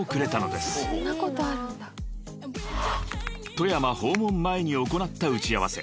［富山訪問前に行った打ち合わせ］